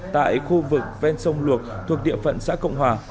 tại khu vực ven sông luộc thuộc địa phận xã cộng hòa